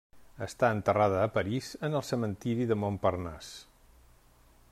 Està enterrada a París en el cementiri de Montparnasse.